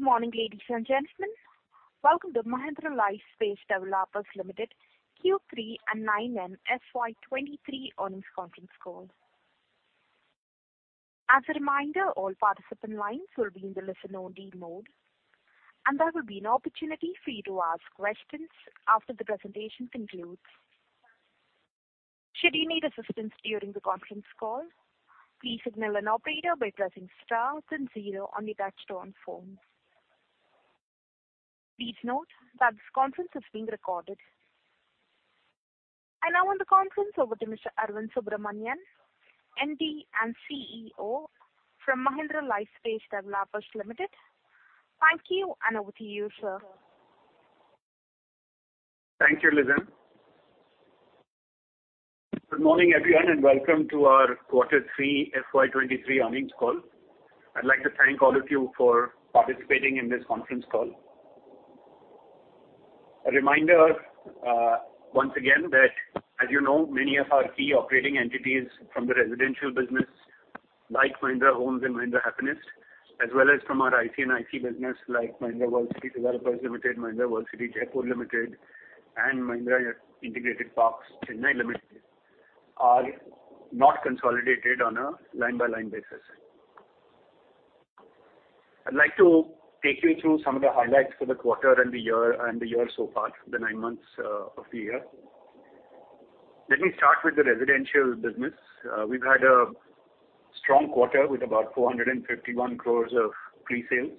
Good morning, ladies and gentlemen. Welcome to Mahindra Lifespace Developers Ltd, Q3 and 9M FY 2023 earnings conference call. As a reminder, all participant lines will be in the listen-only mode, and there will be an opportunity for you to ask questions after the presentation concludes. Should you need assistance during the conference call, please signal an operator by pressing star then zero on your touchtone phone. Please note that this conference is being recorded. I now hand the conference over to Mr. Arvind Subramanian, MD and CEO from Mahindra Lifespace Developers Ltd. Thank you, and over to you, sir. Thank you, Lizan. Good morning, everyone, and welcome to our quarter three FY 2023 earnings call. I'd like to thank all of you for participating in this conference call. A reminder, once again, that as you know, many of our key operating entities from the residential business, like Mahindra Homes and Mahindra Happinest, as well as from our IC and IC business, like Mahindra World City Developers Ltd, Mahindra World City Jaipur Ltd, and Mahindra Industrial Park Chennai Ltd, are not consolidated on a line-by-line basis. I'd like to take you through some of the highlights for the quarter and the year, and the year so far, the nine months of the year. Let me start with the residential business. We've had a strong quarter with about 451 crore of pre-sales,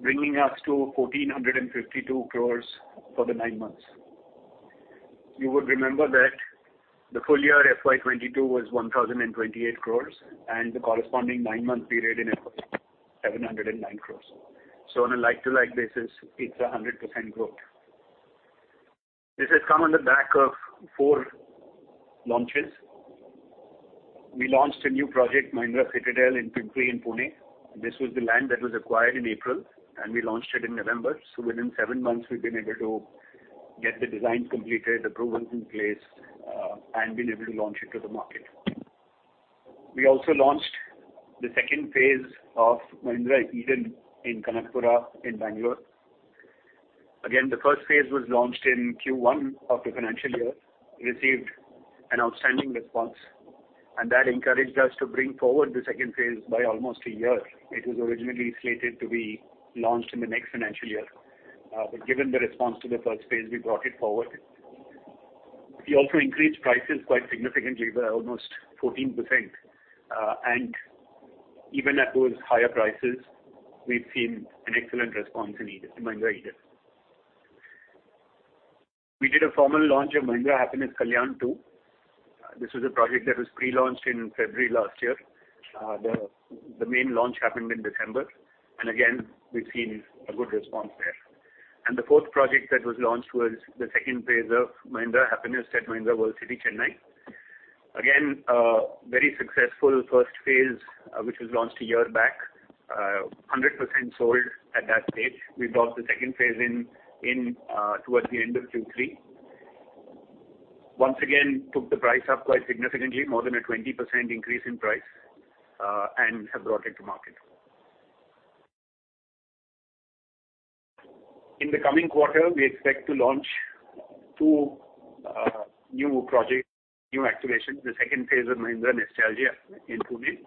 bringing us to 1,452 crore for the nine months. You would remember that the full year FY 2022 was 1,028 crore, and the corresponding nine-month period in FY, 709 crore. So on a like-to-like basis, it's 100% growth. This has come on the back of four launches. We launched a new project, Mahindra Citadel, in Pimpri, in Pune. This was the land that was acquired in April, and we launched it in November. So within seven months, we've been able to get the designs completed, approvals in place, and been able to launch it to the market. We also launched the second phase of Mahindra Eden in Kanakapura, in Bengaluru. Again, the first phase was launched in Q1 of the financial year. We received an outstanding response, and that encouraged us to bring forward the second phase by almost a year. It was originally slated to be launched in the next financial year, but given the response to the first phase, we brought it forward. We also increased prices quite significantly, by almost 14%, and even at those higher prices, we've seen an excellent response in Eden, in Mahindra Eden. We did a formal launch of Mahindra Happinest Kalyan 2. This is a project that was pre-launched in February last year. The main launch happened in December, and again, we've seen a good response there. The fourth project that was launched was the second phase of Mahindra Happinest at Mahindra World City, Chennai. Again, a very successful first phase, which was launched a year back, 100% sold at that stage. We brought the second phase in towards the end of Q3. Once again, took the price up quite significantly, more than a 20% increase in price, and have brought it to market. In the coming quarter, we expect to launch two new projects, new activations, the second phase of Mahindra Nestalgia in Pune,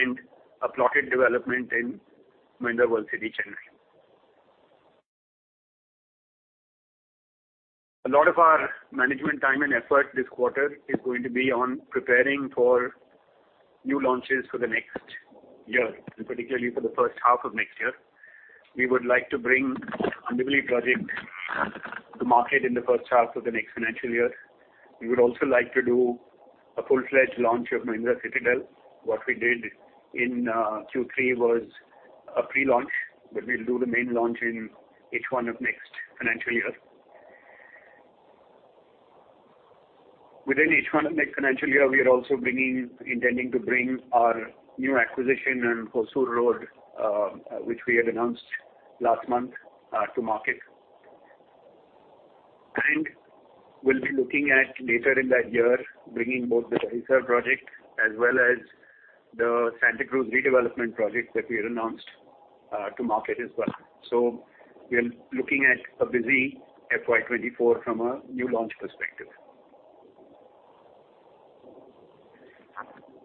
and a plotted development in Mahindra World City, Chennai. A lot of our management time and effort this quarter is going to be on preparing for new launches for the next year, and particularly for the first half of next year. We would like to bring Andheri project to market in the first half of the next financial year. We would also like to do a full-fledged launch of Mahindra Citadel. What we did in Q3 was a pre-launch, but we'll do the main launch in H1 of next financial year. Within H1 of next financial year, we are also intending to bring our new acquisition on Hosur Road, which we had announced last month, to market. We'll be looking at later in that year, bringing both the Dahisar project as well as the Santacruz redevelopment project that we announced, to market as well. We are looking at a busy FY 2024 from a new launch perspective.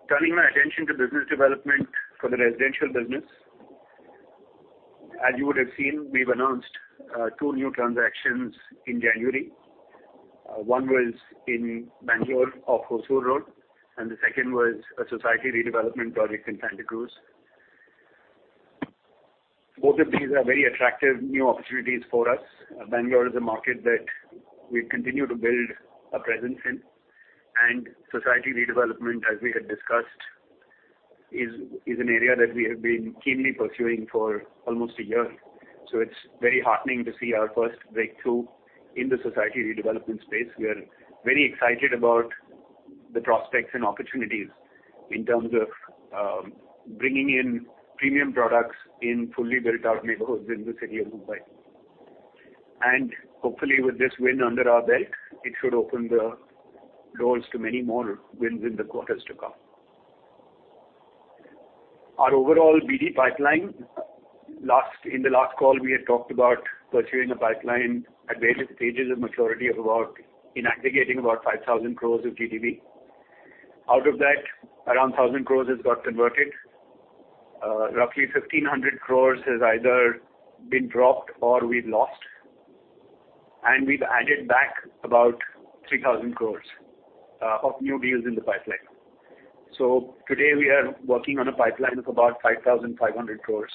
Turning my attention to business development for the residential business, as you would have seen, we've announced 2 new transactions in January. One was in Bengaluru off Hosur Road, and the second was a society redevelopment project in Santacruz. Both of these are very attractive new opportunities for us. Bengaluru is a market that we continue to build a presence in, and society redevelopment, as we had discussed, is an area that we have been keenly pursuing for almost a year. So it's very heartening to see our first breakthrough in the society redevelopment space. We are very excited about the prospects and opportunities in terms of bringing in premium products in fully built-out neighborhoods in the city of Mumbai. Hopefully, with this win under our belt, it should open the doors to many more wins in the quarters to come. Our overall BD pipeline, in the last call, we had talked about pursuing a pipeline at various stages of maturity of about, in aggregating, about 5,000 crore of GDV. Out of that, around 1,000 crore has got converted, roughly 1,500 crore has either been dropped or we've lost, and we've added back about 3,000 crore of new deals in the pipeline. So today, we are working on a pipeline of about 5,500 crore.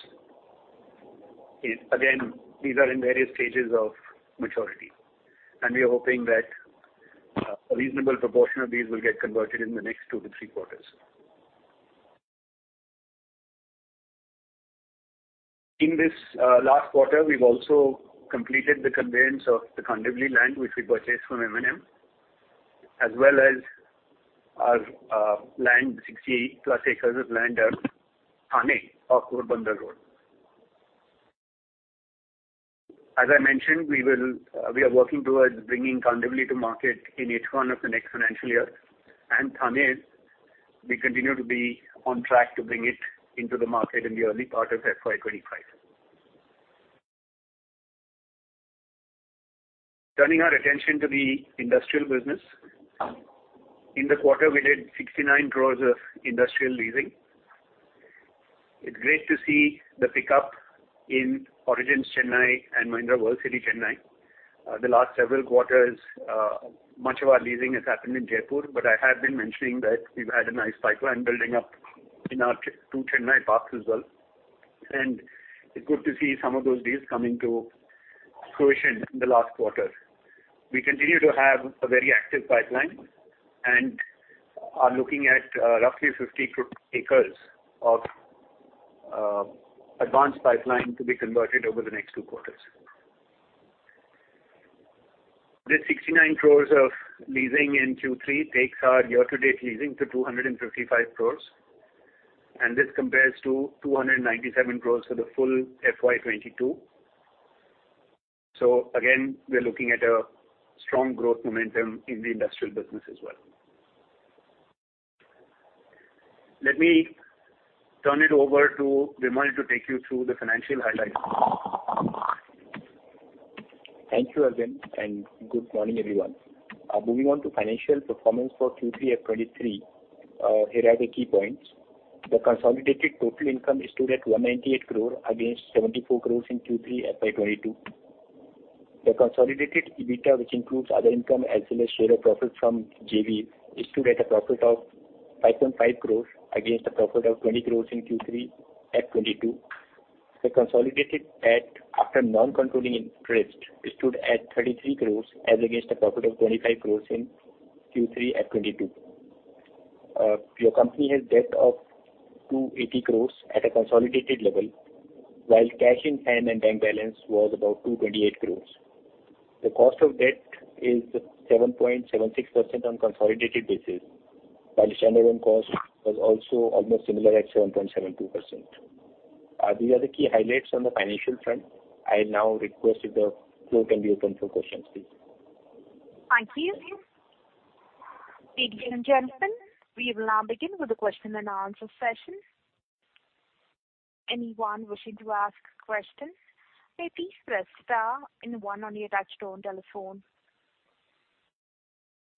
Again, these are in various stages of maturity, and we are hoping that a reasonable proportion of these will get converted in the next two to three quarters. In this last quarter, we've also completed the conveyance of the Kandivali land, which we purchased from M&M, as well as land, 68+ acres of land at Thane off Ghodbunder Road. As I mentioned, we are working towards bringing Kandivali to market in H1 of the next financial year, and Thane, we continue to be on track to bring it into the market in the early part of FY 2025. Turning our attention to the industrial business. In the quarter, we did 69 crores of industrial leasing. It's great to see the pickup in Origins Chennai and Mahindra World City, Chennai. The last several quarters, much of our leasing has happened in Jaipur, but I have been mentioning that we've had a nice pipeline building up in our two Chennai parks as well, and it's good to see some of those deals coming to fruition in the last quarter. We continue to have a very active pipeline, and are looking at, roughly 50 acres of, advanced pipeline to be converted over the next two quarters. This 69 crore of leasing in Q3 takes our year-to-date leasing to 255 crore, and this compares to 297 crore for the full FY 2022. So again, we are looking at a strong growth momentum in the industrial business as well. Let me turn it over to Vimal to take you through the financial highlights. Thank you, Arvind, and good morning, everyone. Moving on to financial performance for Q3 FY 2023, here are the key points. The consolidated total income stood at 198 crore against 74 crore in Q3 FY 2022. The consolidated EBITDA, which includes other income as well as share of profit from JV, stood at a profit of 5.5 crore against a profit of 20 crore in Q3 FY 2022. The consolidated debt after non-controlling interest stood at 33 crore, as against a profit of 25 crore in Q3 FY 2022. Your company has debt of 280 crore at a consolidated level, while cash in hand and bank balance was about 228 crore. The cost of debt is 7.76% on consolidated basis, while the standalone cost was also almost similar at 7.72%. These are the key highlights on the financial front. I now request if the floor can be open for questions, please. Thank you. Ladies and gentlemen, we will now begin with the question and answer session. Anyone wishing to ask a question, may please press star and one on your touchtone telephone.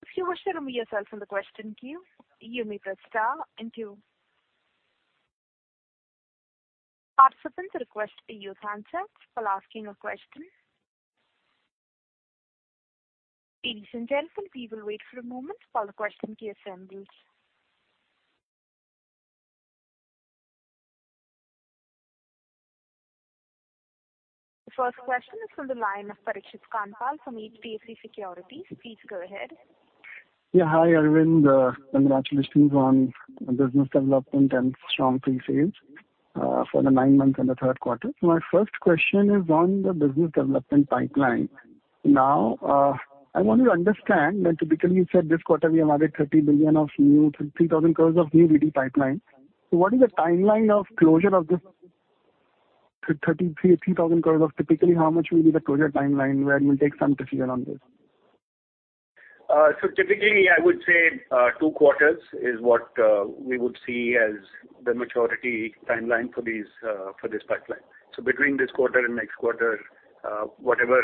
If you wish to remove yourself from the question queue, you may press star and two. Participants are requested to use handsets while asking a question. Ladies and gentlemen, we will wait for a moment while the question queue assembles. The first question is from the line of Parikshit Kandpal from HDFC Securities. Please go ahead. Yeah, hi, Arvind. Congratulations on business development and strong pre-sales for the nine months and the third quarter. My first question is on the business development pipeline. Now, I want to understand that typically you said this quarter we have added 30 billion of new, 30,000 crore of new BD pipeline. So what is the timeline of closure of this 30,000 crore of typically, how much will be the closure timeline, where you will take some decision on this? So typically, I would say, two quarters is what we would see as the maturity timeline for these, for this pipeline. So between this quarter and next quarter, whatever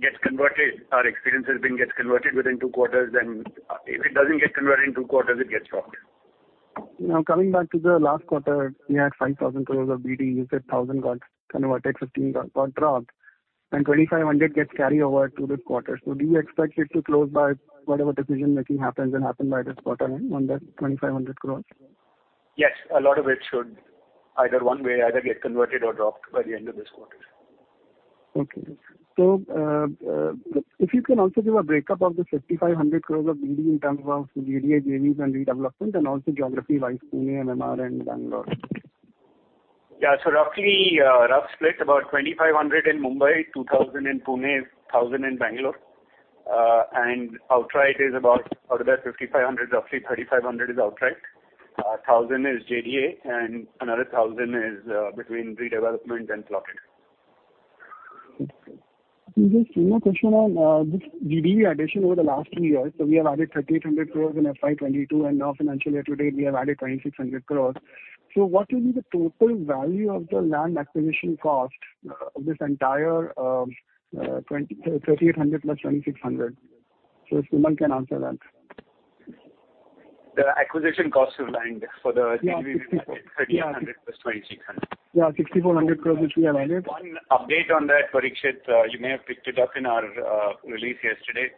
gets converted, our experience has been, gets converted within two quarters, and if it doesn't get converted in two quarters, it gets dropped. Now, coming back to the last quarter, we had 5,000 crore of BD. You said 1,000 got converted, 15 got dropped, and 2,500 gets carried over to this quarter. So do you expect it to close by whatever decision making happens, will happen by this quarter on the 2,500 crore? Yes. A lot of it should either one way, either get converted or dropped by the end of this quarter. Okay. So, if you can also give a breakup of the 5,500 crore of BD in terms of BDAs, JVs, and redevelopment, and also geography-wise, Pune, MMR, and Bengaluru. Yeah. So roughly, rough split, about 2,500 in Mumbai, 2,000 in Pune, 1,000 in Bengaluru, and outright is about out of that 5,500, roughly 3,500 is outright. 1,000 is JDA and another 1,000 is between redevelopment and plotted. Okay. Just one more question on this GD addition over the last two years. So we have added 3,800 crore in FY 2022, and now financially today, we have added 2,600 crore. So what will be the total value of the land acquisition cost of this entire 3,800 plus 2,600? So if someone can answer that. The acquisition cost of land for the- Yeah. 3,800 + 2,600. Yeah, 6,400 crore, which we have added. One update on that, Parikshit, you may have picked it up in our release yesterday.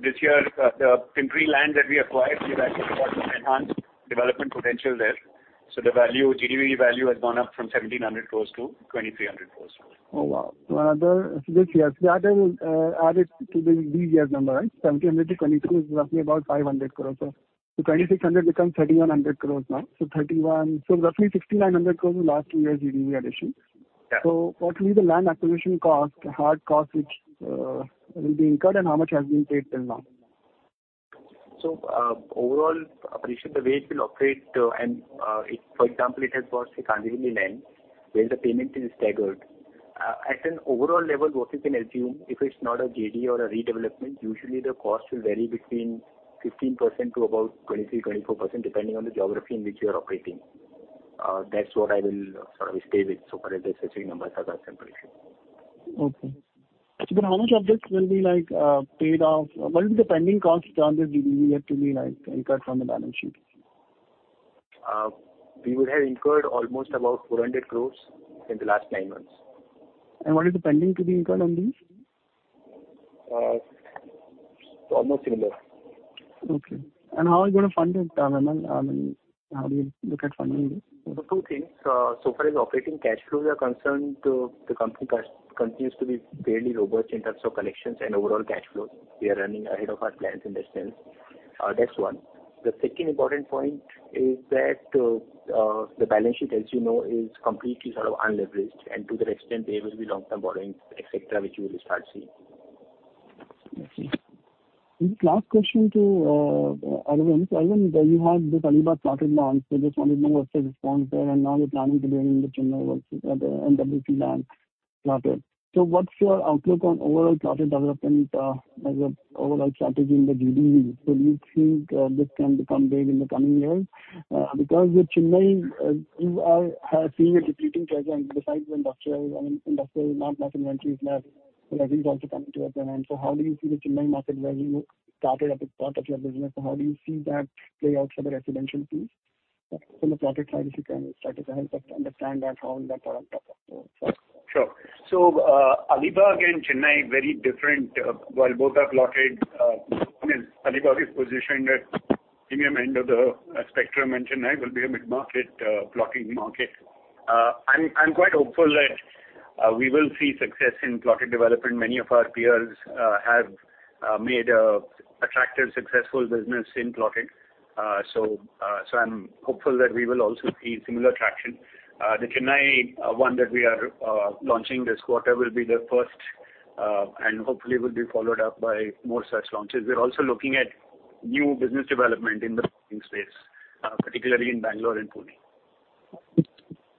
This year, the Pimpri land that we acquired, we've actually got some enhanced development potential there. So the value, GDV value, has gone up from 1,700 crores to 2,300 crores. Oh, wow! So another yes, we add it to this year's number, right? 1,700 crore-2,300 crore is roughly about 500 crore. So 2,600 crore becomes 3,100 crore now. So 3,100 crore so roughly 6,900 crore in the last two years GDV addition. Yeah. What will be the land acquisition cost, hard cost, which will be incurred, and how much has been paid till now? So, overall, Parikshit, the way it will operate, and, if, for example, it has bought a Kandivali land, where the payment is staggered, at an overall level, what you can assume, if it's not a JD or a redevelopment, usually the cost will vary between 15% to about 23-24%, depending on the geography in which you are operating. That's what I will sort of stay with, so for as the searching numbers are concerned, Parikshit. Okay. So then how much of this will be, like, paid off? What will be the pending cost on this GDV to be, like, incurred from the balance sheet? We would have incurred almost about 400 crore in the last nine months. What is the pending to be incurred on this? Almost similar. Okay. How are you going to fund it, Vimal? I mean, how do you look at funding this? The two things, so far as operating cash flows are concerned, the company continues to be fairly robust in terms of collections and overall cash flows. We are running ahead of our plans in that sense. That's one. The second important point is that, the balance sheet, as you know, is completely sort of unleveraged, and to that extent, there will be long-term borrowings, et cetera, which you will start seeing. I see. Last question to Arvind. Arvind, you have this Alibaug plotted launch. So I just wanted to know what's the response there, and now you're planning to be in the Chennai market at the MWC land plotted. So what's your outlook on overall plotted development, as an overall strategy in the GDV? So do you think this can become big in the coming years? Because with Chennai, you have seen a depleting treasury, and besides the industrial, I mean, industrial land plus inventories left, so that is also coming to an end. So how do you see the Chennai market where you started at the start of your business? So how do you see that play out for the residential piece? From the plotted side, if you can start us and help us understand that, how that product uptake, so. Sure. So, Alibaug and Chennai, very different. While both are plotted, I mean, Alibaug is positioned at premium end of the spectrum, and Chennai will be a mid-market plotting market. I'm quite hopeful that we will see success in plotted development. Many of our peers have made an attractive, successful business in plotting. So, I'm hopeful that we will also see similar traction. The Chennai one that we are launching this quarter will be the first, and hopefully will be followed up by more such launches. We're also looking at new business development in the plotting space, particularly in Bengaluru and Pune.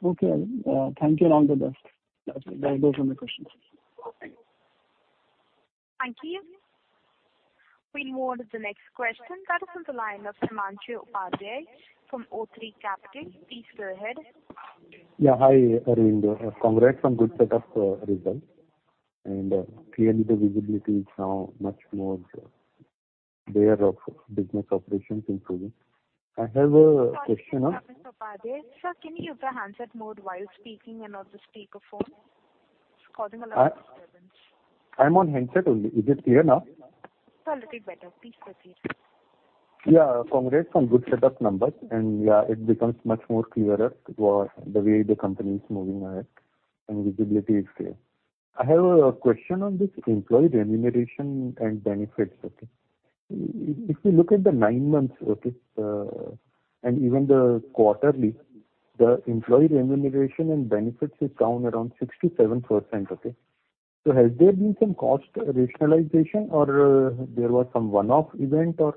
Okay. Thank you, and all the best. Those are my questions. Thank you. We move on to the next question. That is on the line of Himanshu Upadhyay from O3 Capital. Please go ahead. Yeah, hi, Arvind. Congrats on good set of results. Clearly the visibility is now much more clear of business operations improving. I have a question on- Sorry, Himanshu Upadhyay. Sir, can you use the handset mode while speaking and not the speaker phone? It's causing a lot of disturbance. I'm on handset only. Is it clear now? It's a little better. Please proceed. Yeah, congrats on good set of numbers. Yeah, it becomes much more clearer for the way the company is moving ahead, and visibility is clear. I have a question on this employee remuneration and benefits, okay? If you look at the nine months, okay, and even the quarterly, the employee remuneration and benefits is down around 67%, okay? So has there been some cost rationalization or, there was some one-off event or...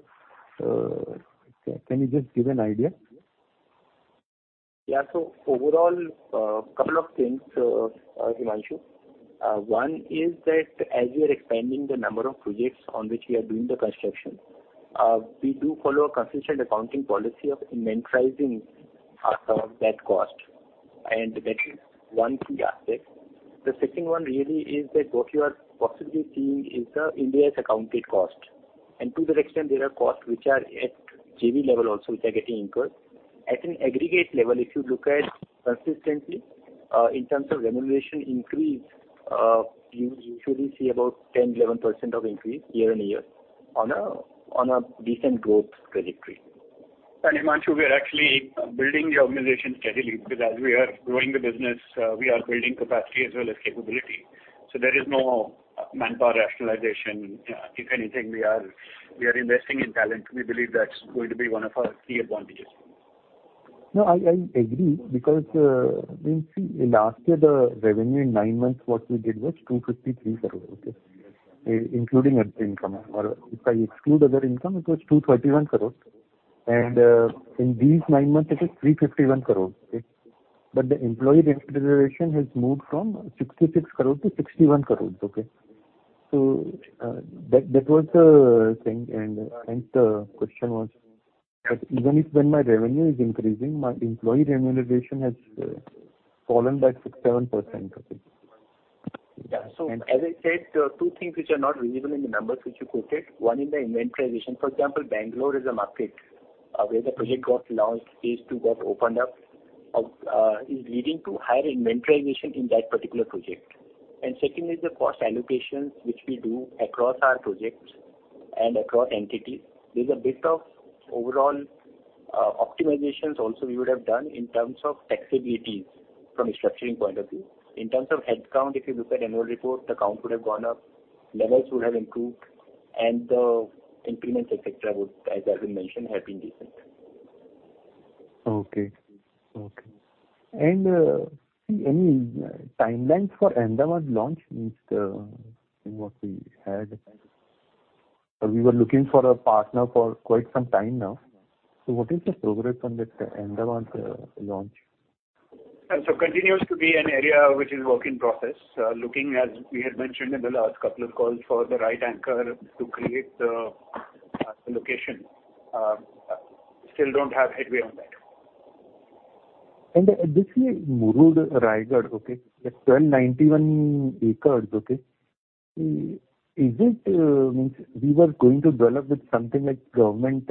Can you just give an idea? Yeah, so overall, couple of things, Himanshu. One is that as we are expanding the number of projects on which we are doing the construction, we do follow a consistent accounting policy of inventorying that cost, and that is one key aspect. The second one really is that what you are possibly seeing is Ind AS accounted cost. And to that extent, there are costs which are at JV level also, which are getting incurred. At an aggregate level, if you look at consistently, in terms of remuneration increase, you usually see about 10-11% increase year-on-year, on a decent growth trajectory. Himanshu, we are actually building the organization steadily, because as we are growing the business, we are building capacity as well as capability. So there is no manpower rationalization. If anything, we are, we are investing in talent. We believe that's going to be one of our key advantages. No, I agree, because, I mean, see, in last year, the revenue in nine months, what we did was 253 crore rupees, okay? Including other income, or if I exclude other income, it was 231 crore. And, in these nine months, it is 351 crore, okay? But the employee remuneration has moved from 66 crore to 61 crore, okay? So, that was the thing. And, the question was, that even if when my revenue is increasing, my employee remuneration has fallen by 6%-7%, okay. Yeah. So as I said, two things which are not visible in the numbers which you quoted. One, in the inventorization. For example, Bengaluru is a market, where the project got launched, phase two got opened up, is leading to higher inventarizotion in that particular project. And secondly, the cost allocations, which we do across our projects and across entities, there's a bit of overall, optimizations also we would have done in terms of taxabilities from a structuring point of view. In terms of headcount, if you look at annual report, the count would have gone up, levels would have improved, and the increments, et cetera, would, as I mentioned, have been decent. Okay. Okay. And, any timelines for Andaman launch, which, what we had? We were looking for a partner for quite some time now. So what is the progress on that Andaman, launch? Continues to be an area which is work in process. Looking, as we had mentioned in the last couple of calls, for the right anchor to create the location. Still don't have headway on that. This Murud, Raigad, okay, the 1,291 acres, okay, is it means we were going to develop with something like government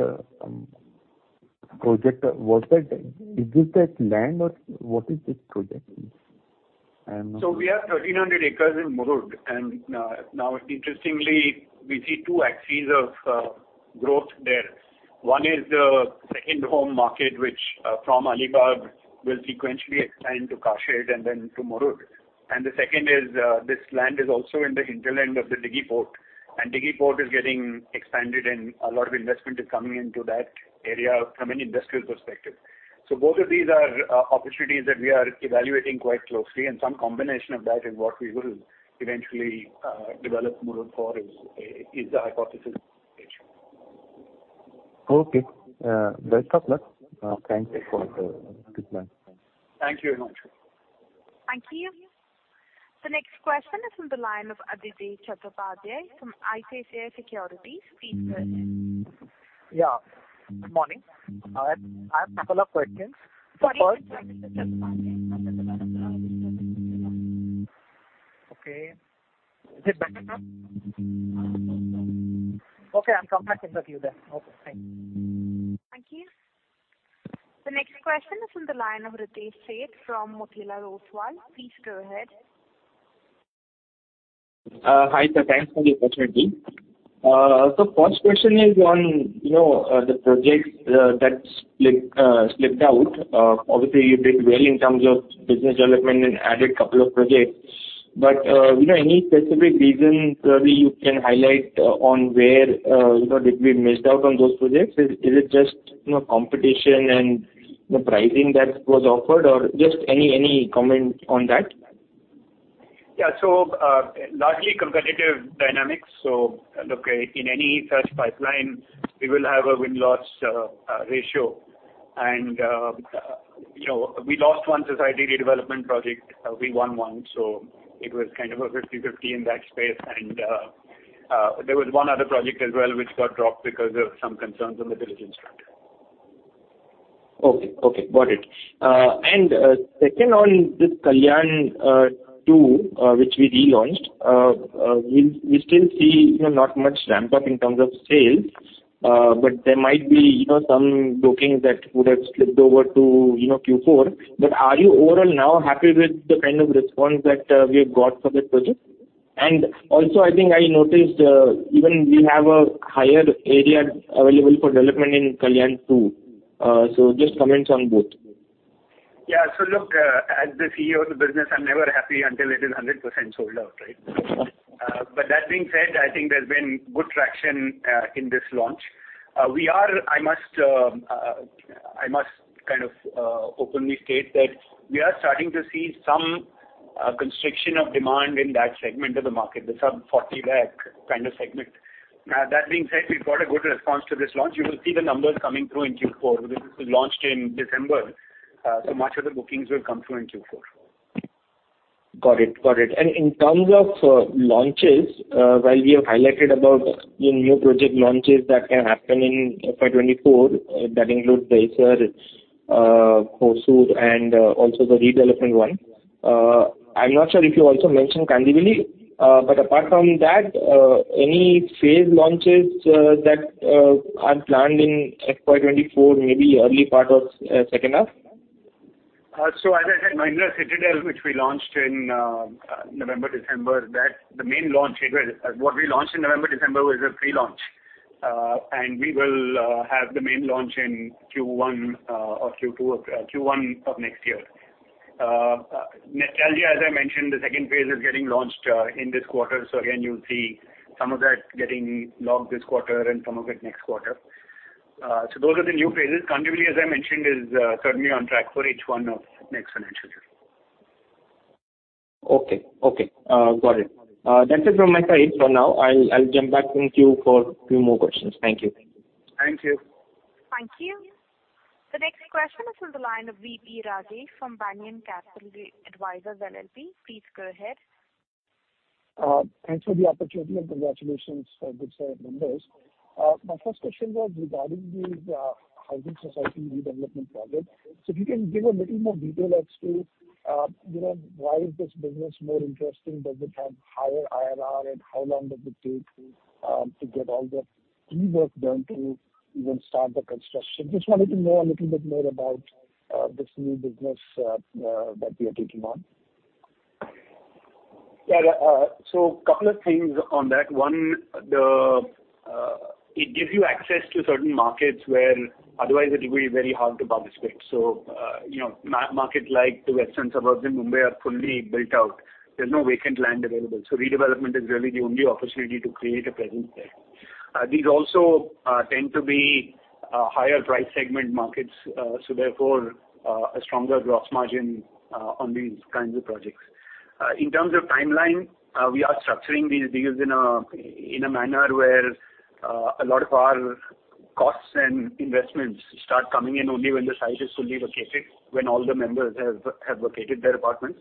project. Was that- is this that land or what is this project? I'm- So we have 1,300 acres in Murud, and now interestingly, we see two axes of growth there. One is the second home market, which from Alibaug will sequentially expand to Kashid and then to Murud. And the second is this land is also in the hinterland of the Dighi Port, and Dighi Port is getting expanded and a lot of investment is coming into that area from an industrial perspective. So both of these are opportunities that we are evaluating quite closely, and some combination of that is what we will eventually develop Murud for is the hypothesis stage. Okay. Best of luck. Thanks for the good luck. Thank you very much. Thank you. The next question is from the line of Adhidev Chattopadhyay from ICICI Securities. Please go ahead. Yeah, good morning. I have couple of questions. First- Sorry Okay. Is it better now? Okay, I'll come back into you then. Okay, thanks. Thank you. The next question is from the line of Pritesh Sheth from Motilal Oswal. Please go ahead. Hi, sir. Thanks for the opportunity. So first question is on, you know, the projects that slipped out. Obviously, you did well in terms of business development and added couple of projects, but, you know, any specific reasons maybe you can highlight on where, you know, did we missed out on those projects? Is it just, you know, competition and the pricing that was offered, or just any comment on that? Yeah, so, largely competitive dynamics. So look, in any such pipeline, we will have a win-loss ratio. And, you know, we lost one society redevelopment project, we won one, so it was kind of a 50/50 in that space. And, there was one other project as well, which got dropped because of some concerns on the diligence front. Okay. Okay, got it. And second on this Kalyan 2, which we relaunched, we still see, you know, not much ramp up in terms of sales, but there might be, you know, some bookings that would have slipped over to, you know, Q4. But are you overall now happy with the kind of response that we have got for this project? And also, I think I noticed even you have a higher area available for development in Kalyan 2. So just comments on both. Yeah. So look, as the CEO of the business, I'm never happy until it is 100% sold out, right? Mm-hmm. But that being said, I think there's been good traction in this launch. We are, I must kind of openly state that we are starting to see some constriction of demand in that segment of the market, the sub-INR 40 lakh kind of segment. That being said, we've got a good response to this launch. You will see the numbers coming through in Q4. This was launched in December, so much of the bookings will come through in Q4. Got it. Got it. In terms of launches, while we have highlighted about the new project launches that can happen in FY 2024, that includes Dahisar, Hosur, and also the redevelopment one. I'm not sure if you also mentioned Kandivali, but apart from that, any phase launches that are planned in FY 2024, maybe early part of second half? So as I said, Mahindra Citadel, which we launched in November, December, that's the main launch. Well, what we launched in November, December was a pre-launch. And we will have the main launch in Q1 or Q2 of Q1 of next year. Nestalgia, as I mentioned, the second phase is getting launched in this quarter. So again, you'll see some of that getting logged this quarter and some of it next quarter. So those are the new phases. Kandivali, as I mentioned, is certainly on track for H1 of next financial year. Okay, okay, got it. That's it from my side for now. I'll jump back in queue for a few more questions. Thank you. Thank you. Thank you. The next question is on the line of VP Rajesh from Banyan Capital Advisors LLP. Please go ahead. Thanks for the opportunity, and congratulations for good set of numbers. My first question was regarding the housing society redevelopment project. So if you can give a little more detail as to you know, why is this business more interesting? Does it have higher IRR, and how long does it take to get all the pre-work done to even start the construction? Just wanted to know a little bit more about this new business that we are taking on. Yeah, so couple of things on that. One, the, it gives you access to certain markets where otherwise it will be very hard to participate. So, you know, market like the western suburbs in Mumbai are fully built out. There's no vacant land available, so redevelopment is really the only opportunity to create a presence there. These also tend to be higher price segment markets, so therefore, a stronger gross margin on these kinds of projects. In terms of timeline, we are structuring these in a manner where a lot of our costs and investments start coming in only when the site is fully vacated, when all the members have vacated their apartments.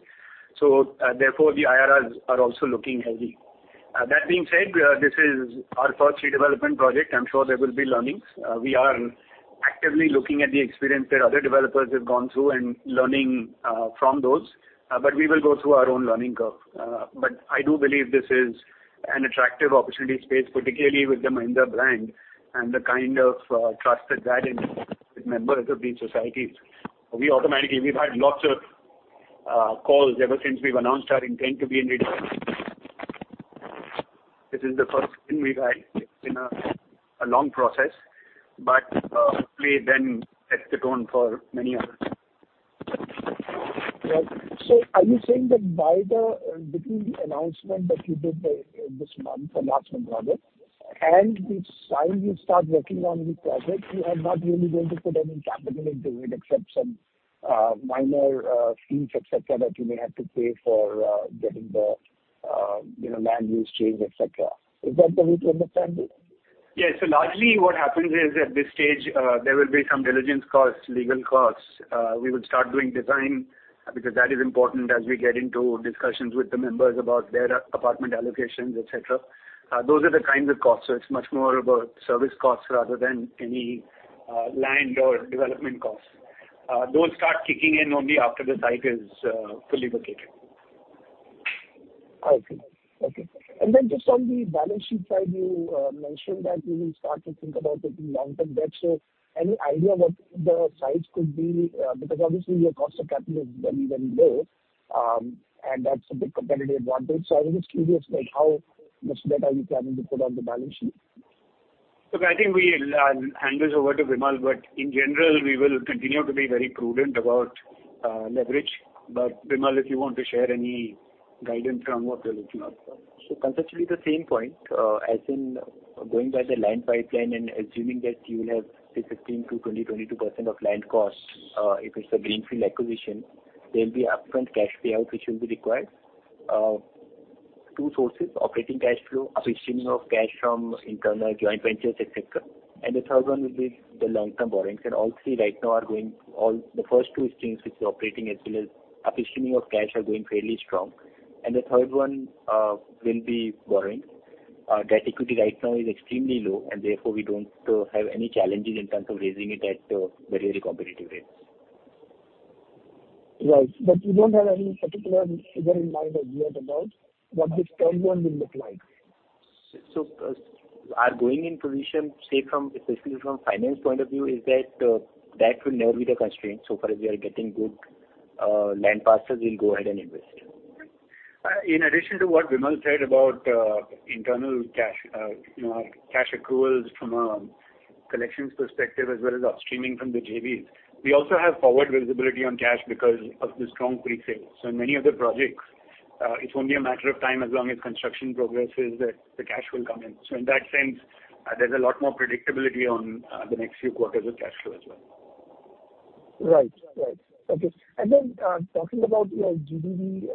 So, therefore, the IRRs are also looking healthy. That being said, this is our first redevelopment project. I'm sure there will be learnings. We are actively looking at the experience that other developers have gone through and learning from those, but we will go through our own learning curve. But I do believe this is an attractive opportunity space, particularly with the Mahindra brand and the kind of trust it adds with members of these societies. We automatically, we've had lots of calls ever since we've announced our intent to be in redevelopment. This is the first thing we've had in a long process, but hopefully then sets the tone for many others. Right. So are you saying that by the between the announcement that you did, this month for last month project, and the time you start working on the project, you are not really going to put any capital into it, except some, minor, fees, et cetera, that you may have to pay for, getting the, you know, land use change, et cetera? Is that the way to understand it? Yes. So largely what happens is, at this stage, there will be some diligence costs, legal costs. We will start doing design, because that is important as we get into discussions with the members about their apartment allocations, et cetera. Those are the kinds of costs, so it's much more about service costs rather than any, land or development costs. Those start kicking in only after the site is fully vacated. Okay, okay. And then just on the balance sheet side, you mentioned that you will start to think about taking long-term debt. So any idea what the size could be? Because obviously your cost of capital is very, very low, and that's a big competitive advantage. So I was just curious, like, how much debt are you planning to put on the balance sheet? Look, I think we'll hand this over to Vimal, but in general, we will continue to be very prudent about leverage. But Vimal, if you want to share any guidance on what we are looking at. Conceptually, the same point, as in going by the land pipeline and assuming that you will have say, 15%-22% of land costs, if it's a greenfield acquisition, there'll be upfront cash payout which will be required. Two sources, operating cash flow, upstreaming of cash from internal joint ventures, et cetera. And the third one will be the long-term borrowings. And all three right now are going. All, the first two streams, which is operating as well as upstreaming of cash, are going fairly strong. And the third one will be borrowing. Debt equity right now is extremely low, and therefore, we don't have any challenges in terms of raising it at very competitive rates. Right. But you don't have any particular figure in mind as yet about what this third one will look like? So, our going-in position, say, from, especially from finance point of view, is that, that will never be the constraint. So far as we are getting good, land parcels, we'll go ahead and invest. In addition to what Vimal said about internal cash, you know, cash accruals from a collections perspective as well as upstreaming from the JVs, we also have forward visibility on cash because of the strong pre-sales. So in many of the projects, it's only a matter of time, as long as construction progresses, that the cash will come in. So in that sense, there's a lot more predictability on the next few quarters of cash flow as well. Right. Right. Okay. And then, talking about your GDV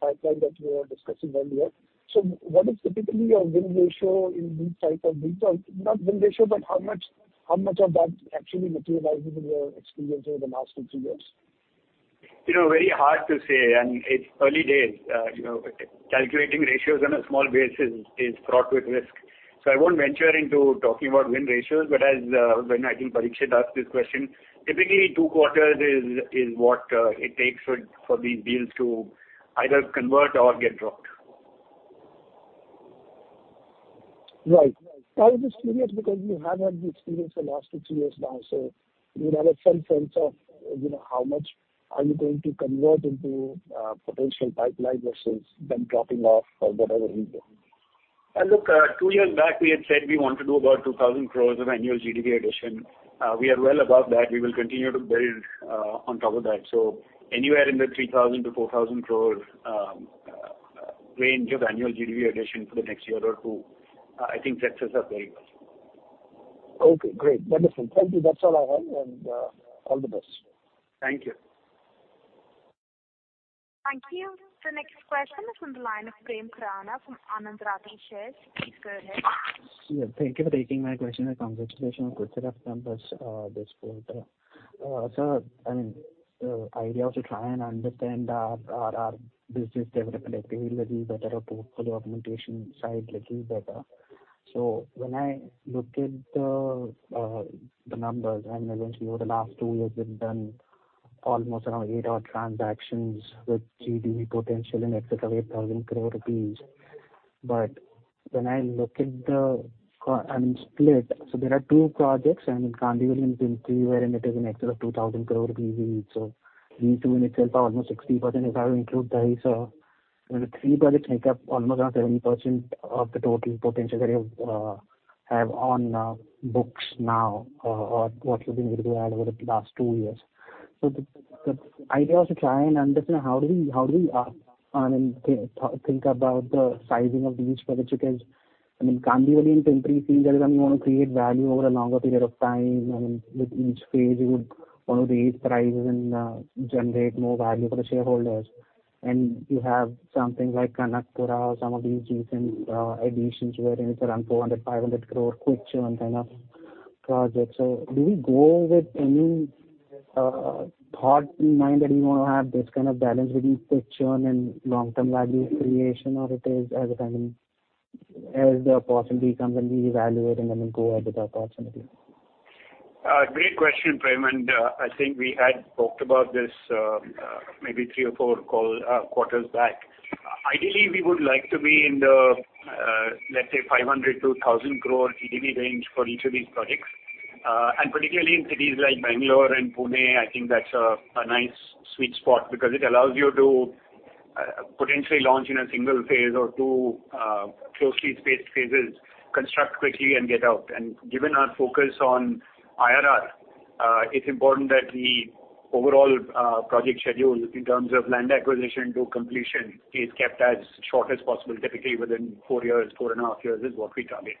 pipeline that we were discussing earlier, so what is typically your win ratio in these types of deals? Not win ratio, but how much, how much of that actually materializes in your experience over the last two, three years? You know, very hard to say, and it's early days. You know, calculating ratios on a small base is fraught with risk. So I won't venture into talking about win ratios, but as, when I think Parikshit asked this question, typically two quarters is what it takes for these deals to either convert or get dropped. Right. I was just curious because you have had the experience for the last 2-3 years now, so you would have some sense of, you know, how much are you going to convert into potential pipeline versus them dropping off or whatever the case. Look, 2 years back, we had said we want to do about 2,000 crore of annual GDV addition. We are well above that. We will continue to build on top of that. Anywhere in the 3,000-4,000 crore range of annual GDV addition for the next year or 2, I think sets us up very well.... Okay, great! Wonderful. Thank you. That's all I have, and, all the best. Thank you. Thank you. The next question is from the line of Prem Khurana from Anand Rathi Shares. Please go ahead. Yeah, thank you for taking my question, and congratulations on good set of numbers this quarter. Sir, I mean, the idea was to try and understand our business development activity little better or portfolio augmentation side little better. So when I look at the numbers, I mean, essentially over the last 2 years, we've done almost around 8 odd transactions with GDV potential in excess of 8,000 crore rupees. But when I look at the co- I mean, split, so there are 2 projects, and in Kandivali and Pimpri, wherein it is in excess of 2,000 crore rupees each. So these 2 in itself are almost 60%, if I will include that. So I mean, the three projects make up almost around 70% of the total potential that you have on books now, or what you've been able to add over the last two years. So the idea was to try and understand how do we think about the sizing of these projects? Because, I mean, Kandivali and Pimpri seems like you want to create value over a longer period of time, and with each phase you would want to raise prices and generate more value for the shareholders. And you have something like Kanakapura, some of these recent additions, wherein it's around 400-500 crore quick churn kind of projects. So do we go with any thought in mind that you want to have this kind of balanced with quick churn and long-term value creation? Or is it as and when, as the opportunity comes, and we evaluate and then we go with the opportunity. Great question, Prem, and I think we had talked about this, maybe three or four calls, quarters back. Ideally, we would like to be in the, let's say, 500 crore-1,000 crore GDV range for each of these projects. And particularly in cities like Bengaluru and Pune, I think that's a nice sweet spot, because it allows you to potentially launch in a single phase or two closely spaced phases, construct quickly and get out. And given our focus on IRR, it's important that the overall project schedule in terms of land acquisition to completion is kept as short as possible, typically within four years, four and a half years is what we target.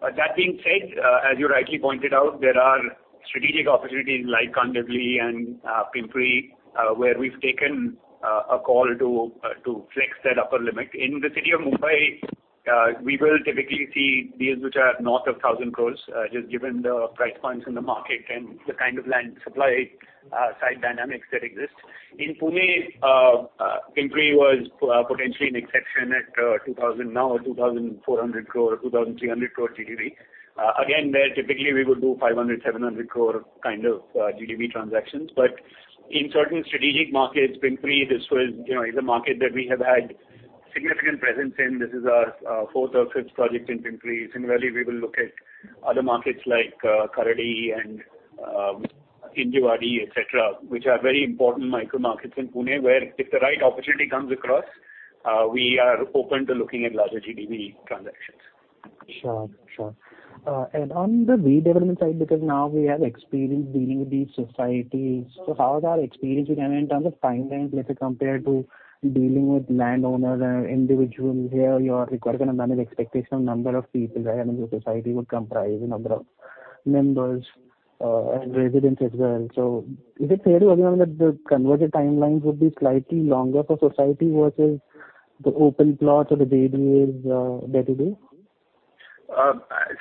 That being said, as you rightly pointed out, there are strategic opportunities like Kandivali and, Pimpri, where we've taken, a call to, to flex that upper limit. In the city of Mumbai, we will typically see deals which are north of 1,000 crore, just given the price points in the market and the kind of land supply, side dynamics that exist. In Pune, Pimpri was potentially an exception at, two thousand now, or 2,400 crore, or 2,300 crore GDV. Again, there typically we would do 500-700 crore kind of, GDV transactions. But in certain strategic markets, Pimpri, this was, you know, is a market that we have had significant presence in. This is our, fourth or fifth project in Pimpri. Similarly, we will look at other markets like Kharadi and Hinjawadi, etc., which are very important micro markets in Pune, where if the right opportunity comes across, we are open to looking at larger GDV transactions. Sure, sure. And on the redevelopment side, because now we have experience dealing with these societies, so how is our experience with them in terms of timelines, let's say, compared to dealing with landowners and individuals? Here, you are requiring to manage expectation of number of people, right? I mean, the society would comprise a number of members, and residents as well. So is it fair to assume that the conversion timelines would be slightly longer for society versus the open plots or the DDAs, that you do?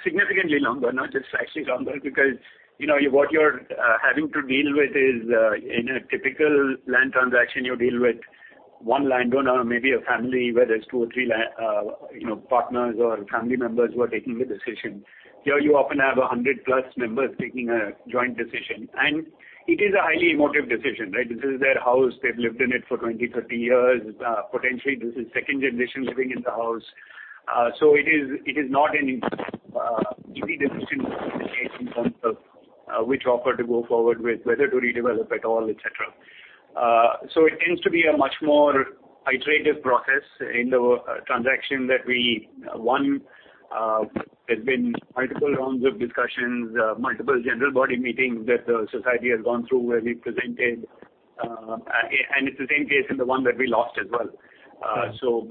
Significantly longer, not just slightly longer, because, you know, what you're having to deal with is, in a typical land transaction, you deal with one landowner or maybe a family, where there's two or three land- you know, partners or family members who are taking the decision. Here, you often have a 100-plus members taking a joint decision, and it is a highly emotive decision, right? This is their house. They've lived in it for 20, 30 years. Potentially, this is second generation living in the house. So it is, it is not an easy decision to make in terms of, which offer to go forward with, whether to redevelop at all, et cetera. So it tends to be a much more iterative process in the transaction that we... One, there's been multiple rounds of discussions, multiple general body meetings that the society has gone through, where we presented, and it's the same case in the one that we lost as well. So,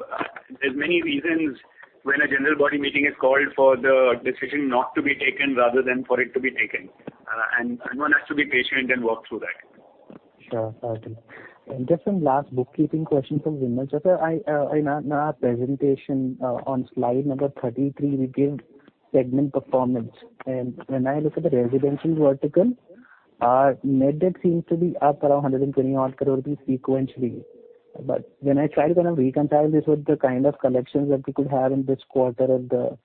there's many reasons when a general body meeting is called for the decision not to be taken, rather than for it to be taken, and one has to be patient and work through that. Sure. Got it. And just one last bookkeeping question from Vimal. Sir, I, in our, our presentation, on slide number 33, we gave segment performance. And when I look at the residential vertical, our net debt seems to be up around 120-odd crore sequentially. But when I try to kind of reconcile this with the kind of collections that we could have in this quarter, and the,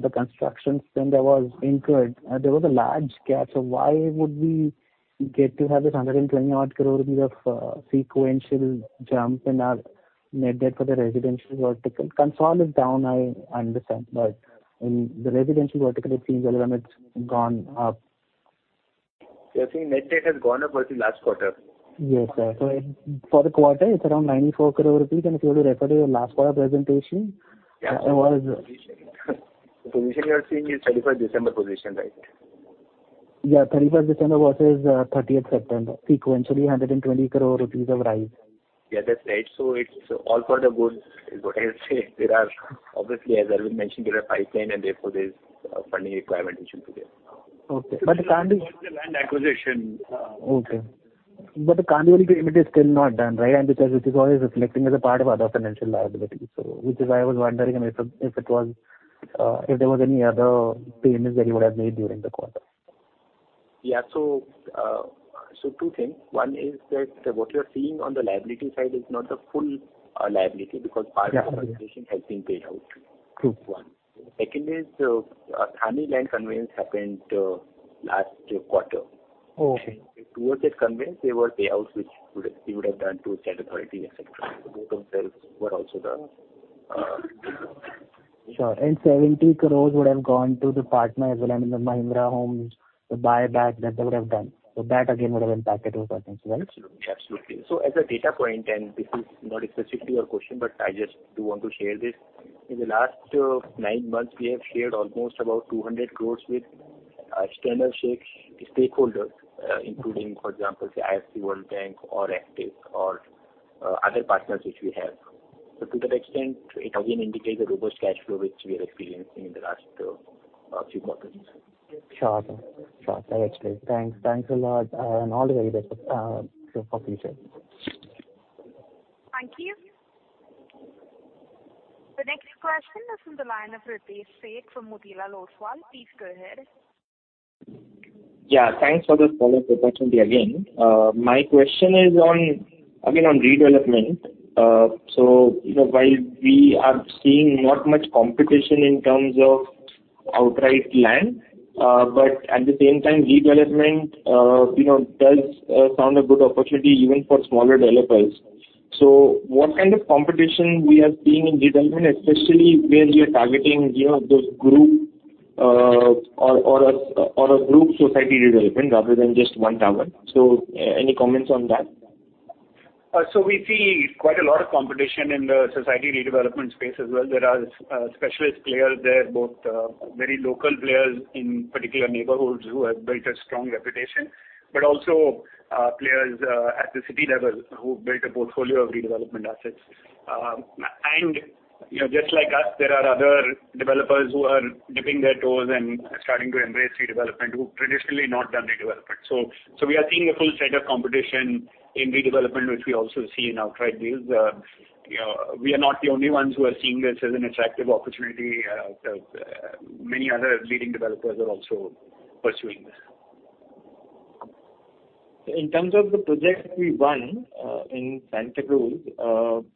the construction spend that was incurred, there was a large gap. So why would we get to have this 120-odd crore rupees of sequential jump in our net debt for the residential vertical? Consol is down, I understand, but in the residential vertical, it seems as though it's gone up. You're seeing net debt has gone up versus last quarter? Yes, sir. So for the quarter, it's around 94 crore rupees, and if you were to refer to your last quarter presentation, it was- The position you are seeing is 31st December position, right? ... Yeah, thirty-first December versus thirtieth September, sequentially, 120 crore rupees of rise. Yeah, that's right. So it's all for the good, what I would say. There are obviously, as Arvind mentioned, there are pipeline, and therefore there's a funding requirement which should be there. Okay. But the Kandivali- Land acquisition. Okay. But the Kandivali payment is still not done, right? And because it is always reflecting as a part of other financial liability. So which is why I was wondering if it, if it was, if there was any other payments that you would have made during the quarter. Yeah. So, so two things. One is that what you're seeing on the liability side is not the full, liability, because part of the- Yeah. Communication has been paid out. Mm. One. Second is, Kandivali land conveyance happened, last quarter. Oh, okay. Towards that conveyance, there were payouts which you would have done to state authority, et cetera. So both of those were also the, Sure. And 70 crore would have gone to the partner as well, and the Mahindra Homes, the buyback that they would have done. So that again would have impacted those numbers, right? Absolutely. Absolutely. As a data point, and this is not specifically your question, but I just do want to share this. In the last nine months, we have shared almost about 200 crore with standard stakeholders, including, for example, the IFC World Bank or Actis or other partners which we have. To that extent, it again indicates a robust cash flow, which we are experiencing in the last few quarters. Sure. Sure. That's great. Thanks. Thanks a lot, and all the very best, for future. Thank you. The next question is from the line of Pritesh Sheth from Motilal Oswal. Please go ahead. Yeah, thanks for the follow-up, Arvind, again. My question is on, again, on redevelopment. So, you know, while we are seeing not much competition in terms of outright land, but at the same time, redevelopment, you know, does sound a good opportunity even for smaller developers. So what kind of competition we are seeing in redevelopment, especially where we are targeting, you know, those group, or a group society redevelopment rather than just one tower? So any comments on that? So we see quite a lot of competition in the society redevelopment space as well. There are specialist players there, both very local players in particular neighborhoods who have built a strong reputation, but also players at the city level, who built a portfolio of redevelopment assets. You know, just like us, there are other developers who are dipping their toes and starting to embrace redevelopment, who traditionally not done redevelopment. So we are seeing a full set of competition in redevelopment, which we also see in outright deals. You know, we are not the only ones who are seeing this as an attractive opportunity. Many other leading developers are also pursuing this. In terms of the project we won in Santacruz,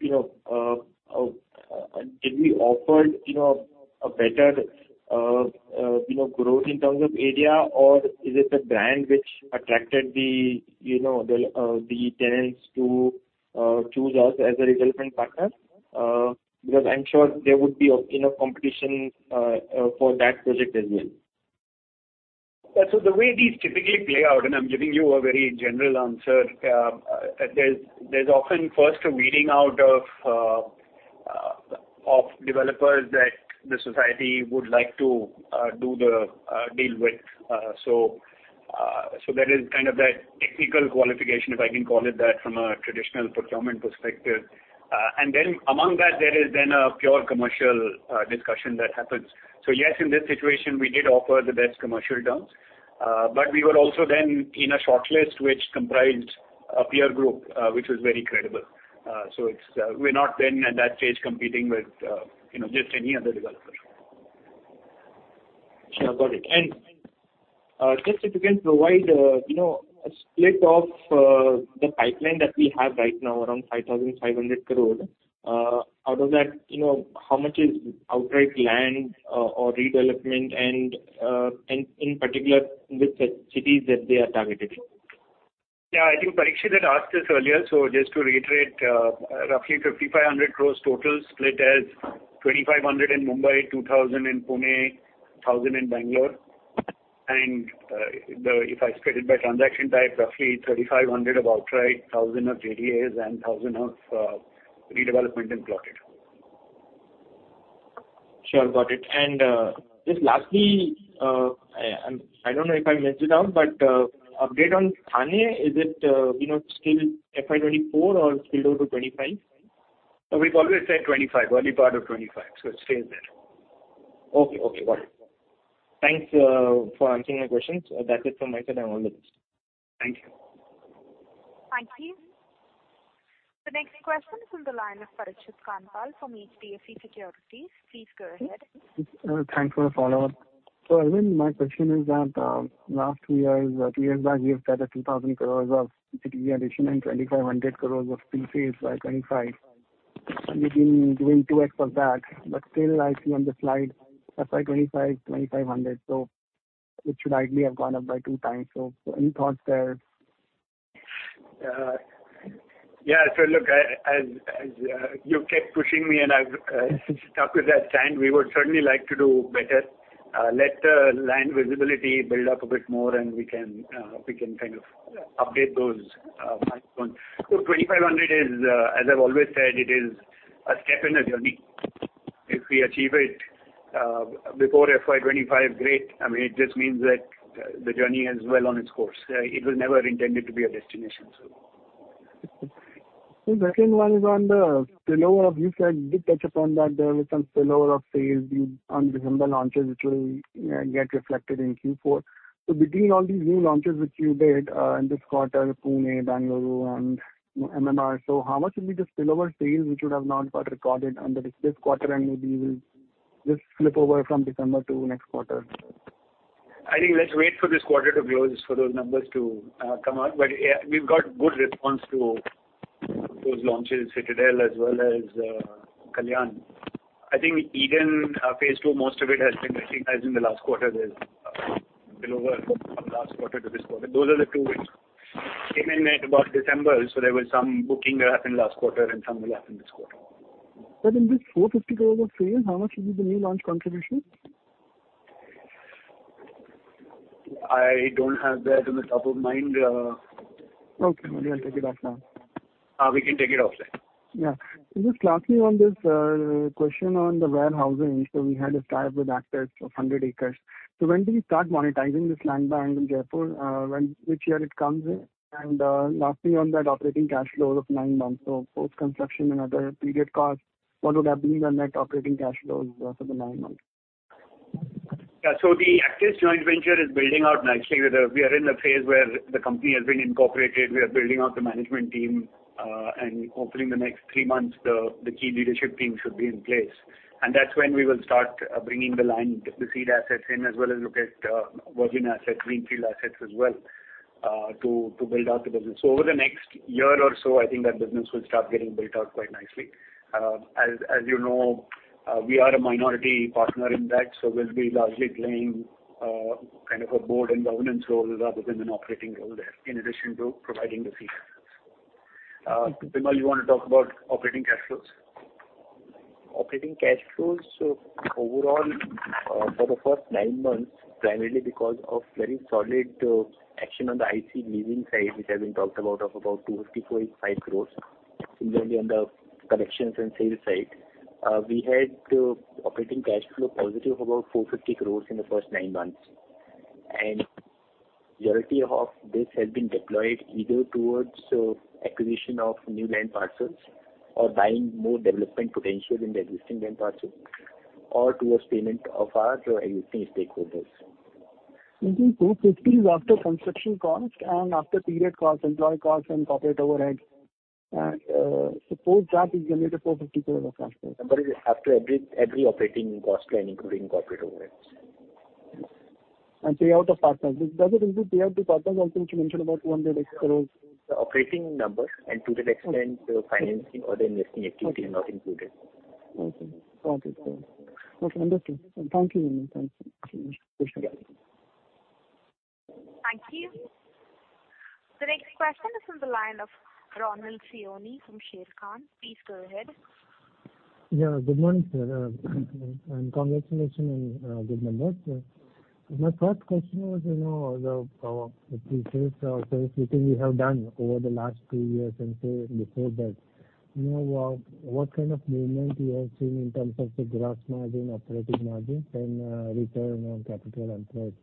you know, did we offer, you know, a better, you know, growth in terms of area? Or is it the brand which attracted the, you know, the, the tenants to choose us as a redevelopment partner? Because I'm sure there would be, you know, competition for that project as well. So the way these typically play out, and I'm giving you a very general answer, there's often first a weeding out of developers that the society would like to do the deal with. So there is kind of that technical qualification, if I can call it that, from a traditional procurement perspective. And then among that, there is then a pure commercial discussion that happens. So yes, in this situation, we did offer the best commercial terms, but we were also then in a shortlist which comprised a peer group, which was very credible. So it's, we're not then at that stage competing with, you know, just any other developer. Sure, got it. Just if you can provide, you know, a split of the pipeline that we have right now, around 5,500 crore. Out of that, you know, how much is outright land or, or redevelopment and, and in particular, which cities that they are targeted? Yeah, I think Parikshit had asked this earlier, so just to reiterate, roughly 5,500 crore total, split as 2,500 crore in Mumbai, 2,000 crore in Pune, 1,000 crore in Bengaluru. And then, if I split it by transaction type, roughly 3,500 crore of outright, 1,000 crore of JDAs, and 1,000 crore of redevelopment and plotted. Sure, got it. And, just lastly, I don't know if I missed it out, but, update on Thane. Is it, you know, still FY 2024 or spilled over to 2025? We've always said 2025, early part of 2025, so it stays there. Okay. Okay, got it. Thanks for answering my questions. That's it from my side, and all the best. Thank you. Thank you. The next question is from the line of Parikshit Kandpal from HDFC Securities. Please go ahead. Thanks for the follow-up. So Arvind, my question is that, last two years, two years back, you've said that 2,000 crore of city addition and 2,500 crore of fee fees by 25. You've been doing 2x of that, but still I see on the slide, FY 2025, 2,500. So it should ideally have gone up by two times. Any thoughts there? Yeah, so look, I, as you kept pushing me, and I've stuck with that time, we would certainly like to do better. Let the land visibility build up a bit more, and we can, we can kind of update those milestones. So 2,500 is, as I've always said, it is a step in a journey... if we achieve it, before FY 2025, great! I mean, it just means that, the journey is well on its course. It was never intended to be a destination, so. The second one is on the spillover. You said, you did touch upon that there was some spillover of sales due on December launches, which will get reflected in Q4. So between all these new launches which you did in this quarter, Pune, Bengaluru and MMR, so how much would be the spillover sales which would have not got recorded under this quarter and maybe will just flip over from December to next quarter? I think, let's wait for this quarter to close for those numbers to come out. But, yeah, we've got good response to those launches, Citadel as well as Kalyan. I think Eden phase two, most of it has been recognized in the last quarter as spillover from last quarter to this quarter. Those are the two which came in at about December, so there were some booking that happened last quarter and some will happen this quarter. But in this 4,000-50,000 sales, how much is the new launch contribution? I don't have that off the top of my mind. Okay, maybe I'll take it off now. We can take it off then. Yeah. And just lastly, on this question on the warehousing, so we had a tie-up with Actis of 100 acres. So when do we start monetizing this land bank in Jaipur? Which year it comes in? And lastly, on that operating cash flow of nine months, so post-construction and other period costs, what would have been the net operating cash flows for the nine months? Yeah. So the Actis joint venture is building out nicely. We are in a phase where the company has been incorporated, we are building out the management team, and hopefully in the next three months, the key leadership team should be in place. And that's when we will start bringing the land, the seed assets in, as well as look at virgin assets, greenfield assets as well, to build out the business. So over the next year or so, I think that business will start getting built out quite nicely. As you know, we are a minority partner in that, so we'll be largely playing kind of a board and governance role rather than an operating role there, in addition to providing the fee. Vimal, you want to talk about operating cash flows? Operating cash flows, so overall, for the first nine months, primarily because of very solid action on the collection side, which has been talked about, about 254.5 crore. Similarly, on the collections and sales side, we had operating cash flow positive, about 450 crore in the first nine months. And majority of this has been deployed either towards acquisition of new land parcels, or buying more development potential in the existing land parcel, or towards payment of our existing stakeholders. Mm-hmm. So 50 is after construction cost and after period costs, employee costs and corporate overhead. So post that is generated INR 450 crores of cash flow. It is after every operating cost and including corporate overheads. Payout of partners. Does it include payout to partners also, which you mentioned about 200 extra crore? Operating numbers, and to that extent, the financing or the investing activity is not included. Okay. Got it. Okay, understood. Thank you. Thank you. Thank you. The next question is from the line of Ronald Siyoni from Sharekhan. Please go ahead. Yeah, good morning, sir, and congratulations on good numbers. My first question was, you know, the sales which you have done over the last two years and say, before that, you know, what kind of movement you have seen in terms of the gross margin, operating margin and return on capital employed?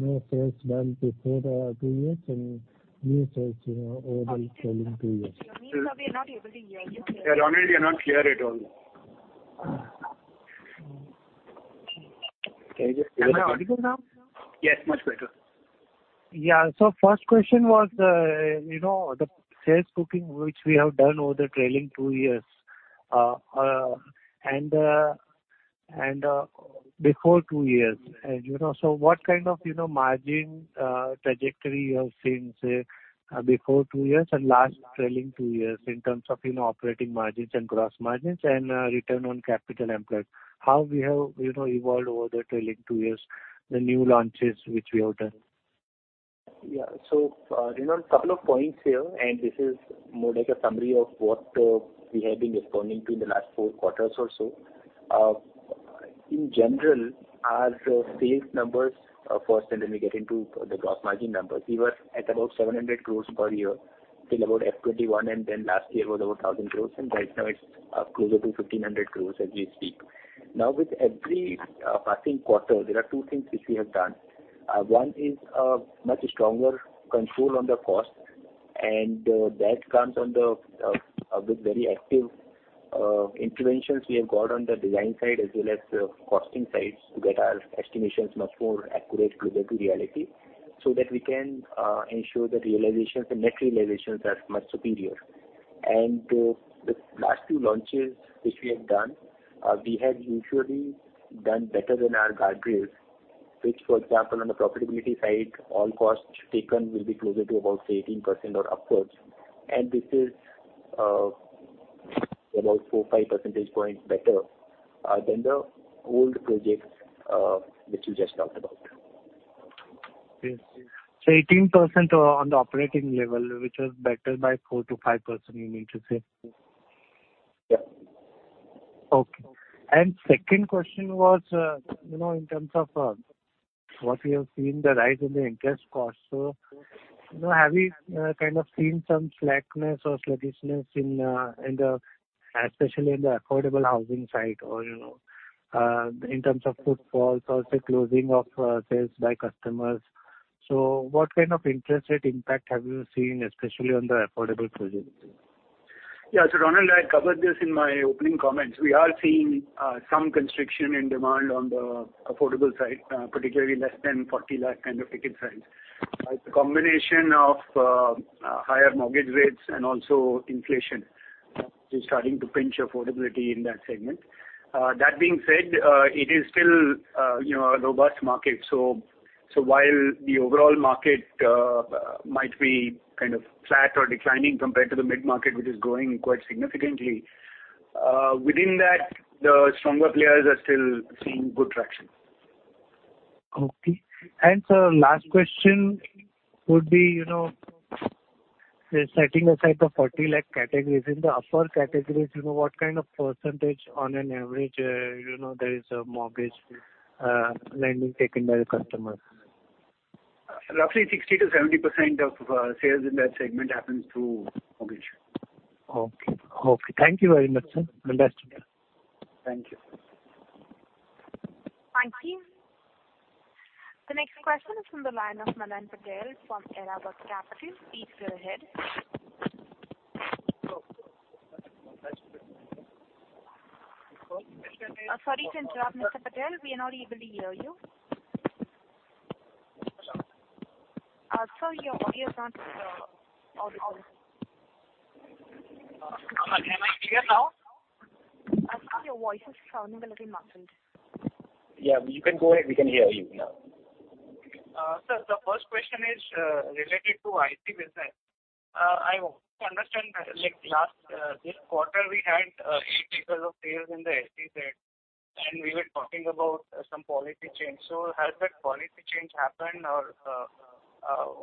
You know, sales done before two years and new sales, you know, over trailing two years. Sir, we are not able to hear you. Yeah, Ronald, you're not clear at all. Am I audible now? Yes, much better. Yeah. So first question was, you know, the sales booking, which we have done over the trailing two years, and before two years. And, you know, so what kind of, you know, margin trajectory you have seen, say, before two years and last trailing two years in terms of, you know, operating margins and gross margins and return on capital employed? How we have, you know, evolved over the trailing two years, the new launches which we have done? Yeah. So, you know, couple of points here, and this is more like a summary of what we have been responding to in the last four quarters or so. In general, our sales numbers first, and then we get into the gross margin numbers. We were at about 700 crore per year till about FY 2021, and then last year was over 1,000 crore, and right now it's closer to 1,500 crore as we speak. Now, with every passing quarter, there are two things which we have done. 1 is much stronger control on the cost, and that comes on the with very active interventions we have got on the design side, as well as the costing sides, to get our estimations much more accurate, closer to reality, so that we can ensure the realizations, the net realizations are much superior. And the last 2 launches which we have done, we have usually done better than our guardrails, which, for example, on the profitability side, all costs taken will be closer to about say, 18% or upwards, and this is about 4-5 percentage points better than the old projects which you just talked about. Yes. So 18% on the operating level, which was better by 4%-5%, you mean to say? Yeah. Okay. And second question was, you know, in terms of what we have seen the rise in the interest cost. So, you know, have you kind of seen some slackness or sluggishness in, especially in the affordable housing side or, you know, in terms of footfalls or say, closing of sales by customers? So what kind of interest rate impact have you seen, especially on the affordable projects? Yeah. So, Ronald, I covered this in my opening comments. We are seeing some constriction in demand on the affordable side, particularly less than 40 lakh kind of ticket size. It's a combination of higher mortgage rates and also inflation, which is starting to pinch affordability in that segment. That being said, it is still, you know, a robust market. So, while the overall market might be kind of flat or declining compared to the mid-market, which is growing quite significantly, within that, the stronger players are still seeing good traction. Okay. And sir, last question would be, you know, setting aside the 40 lakh categories, in the upper categories, you know, what kind of percentage on an average, you know, there is a mortgage lending taken by the customer? Roughly 60%-70% of sales in that segment happens through mortgage. Okay. Okay. Thank you very much, sir. All the best. Thank you. Thank you. The next question is from the line of Milan Patel from Edelweiss Securities. Please go ahead. Hello? Sorry to interrupt, Mr. Patel, we are not able to hear you. Sir, your audio is not audible. Am I clear now? I think your voice is sounding a little muffled. Yeah, you can go ahead. We can hear you now. Sir, the first question is related to IT business. I want to understand, like, last this quarter, we had 8 acres of sales in the SEZ, and we were talking about some policy change. So has that policy change happened, or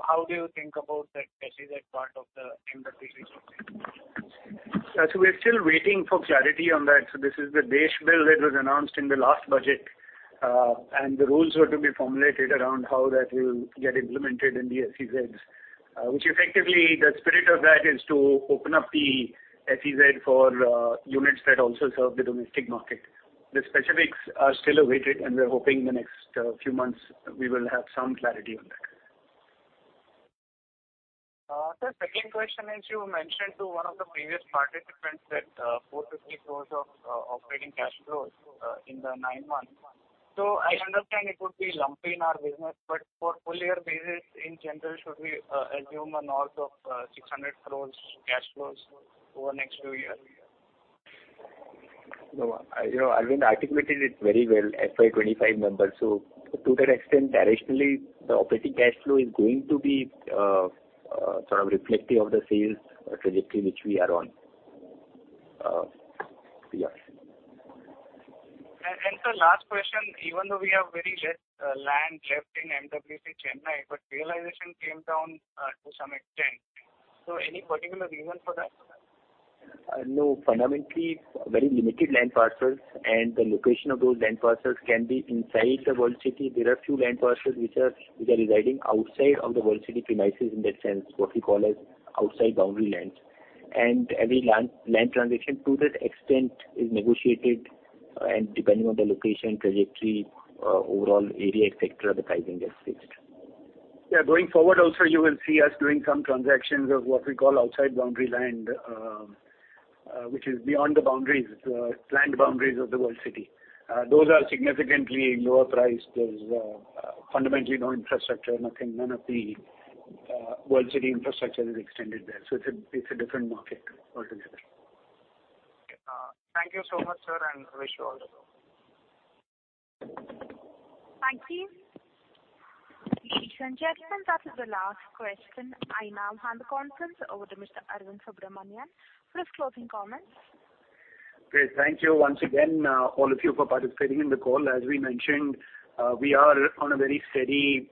how do you think about that, SEZ part of the MWC business? So we're still waiting for clarity on that. So this is the DESH Bill that was announced in the last budget, and the rules were to be formulated around how that will get implemented in the SEZs. Which effectively, the spirit of that is to open up the SEZ for units that also serve the domestic market. The specifics are still awaited, and we're hoping in the next few months, we will have some clarity on that. Sir, second question is, you mentioned to one of the previous participants that, four to three quarters of, operating cash flows, in the nine months. So I understand it would be lumpy in our business, but for full year basis, in general, should we, assume a north of, 600 crore cash flows over the next few years? No, you know, Arvind articulated it very well, FY 2025 numbers. So to that extent, directionally, the operating cash flow is going to be sort of reflective of the sales trajectory which we are on. Yes. And sir, last question, even though we have very less land left in MWC, Chennai, but realization came down to some extent. So any particular reason for that? No. Fundamentally, very limited land parcels, and the location of those land parcels can be inside the World City. There are a few land parcels which are, which are residing outside of the World City premises, in that sense, what we call as outside boundary lands. And every land, land transaction, to that extent, is negotiated, and depending on the location, trajectory, overall area, et cetera, the pricing is fixed. Yeah, going forward also, you will see us doing some transactions of what we call outside boundary land, which is beyond the boundaries, planned boundaries of the World City. Those are significantly lower priced. There's, fundamentally no infrastructure, nothing, none of the World City infrastructure is extended there. So it's a, it's a different market altogether. Thank you so much, sir, and wish you all the best. Thank you. Ladies and gentlemen, that is the last question. I now hand the conference over to Mr. Arvind Subramanian for his closing comments. Great. Thank you once again, all of you, for participating in the call. As we mentioned, we are on a very steady,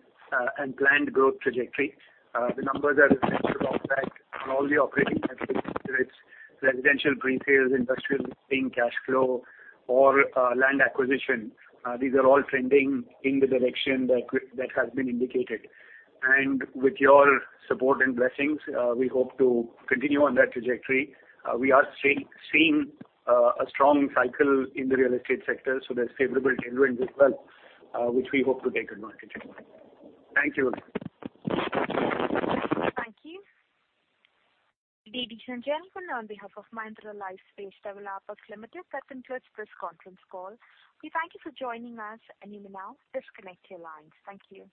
and planned growth trajectory. The numbers are essential of that. And all the operating metrics, whether it's residential, pre-sales, industrial, staying cash flow, or land acquisition, these are all trending in the direction that that has been indicated. And with your support and blessings, we hope to continue on that trajectory. We are seeing a strong cycle in the real estate sector, so there's favorable tailwinds as well, which we hope to take advantage of. Thank you. Thank you. Ladies and gentlemen, on behalf of Mahindra Lifespace Developers Ltd, that concludes this conference call. We thank you for joining us, and you may now disconnect your lines. Thank you.